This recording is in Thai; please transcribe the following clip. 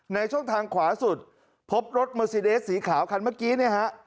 ช่องทางขวาสุดพบรถเมอร์ซีเดสสีขาวคันเมื่อกี้เนี่ยฮะ